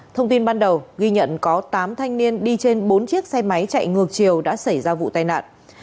thông tin ban đầu ghi nhận có tám thanh niên đi trên bốn chiếc xe máy chạy ngược chiều đã xảy ra vụ tai nạn